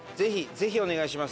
ぜひお願いします